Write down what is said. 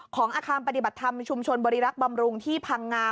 ของอาคารปฏิบัติธรรมชุมชนบริรักษ์บำรุงที่พังงา